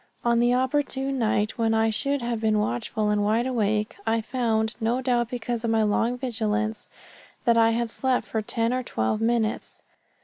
On the opportune night, when I should have been watchful and wide awake, I found, no doubt because of my long vigilance, that I had slept for ten or twelve minutes.